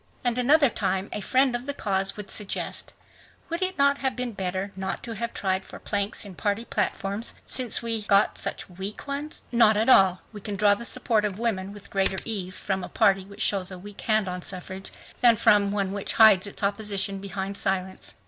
And another time a friend of the cause would suggest, "Would it not have been better not to have tried for planks in party platforms, since we got such weak ones?" "Not at all. We can draw the support of women with greater ease from a party which shows a weak hand on suffrage, than from one which hides its opposition behind silence."